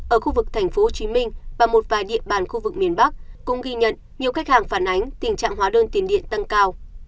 ở khu vực thành phố hồ chí minh và một vài địa bàn khu vực miền bắc cũng ghi nhận nhiều khách hàng phản ánh tình trạng hóa đơn tiền điện tăng cao